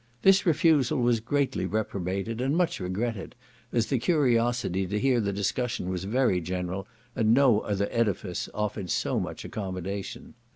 This refusal was greatly reprobated, and much regretted, as the curiosity to hear the discussion was very general, and no other edifice offered so much accommodation.